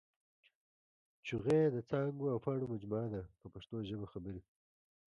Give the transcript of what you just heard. جوغې د څانګو او پاڼو مجموعه ده په پښتو ژبه خبرې.